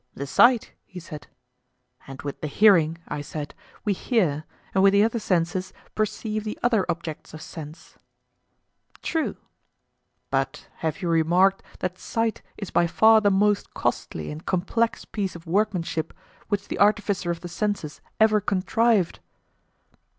The sight, he said. And with the hearing, I said, we hear, and with the other senses perceive the other objects of sense? True. But have you remarked that sight is by far the most costly and complex piece of workmanship which the artificer of the senses ever contrived?